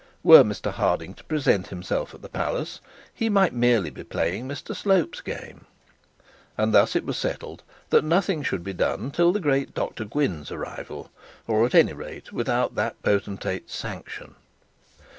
Were Mr Harding to present himself at the palace he might merely be playing Mr Slope's game;' and thus it was settled that nothing should be done till the great Dr Gwynne's arrival, or at any rate without that potentate's sanction.